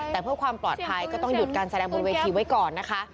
แต่เพื่อความปลอดภัยก็ต้องหยุดการแสดงบนเวทีไว้ก่อนนะคะ